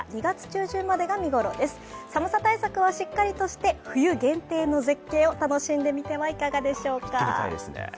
対策はしっかりとして、冬限定の絶景を楽しんでみてはいかがでしょうか？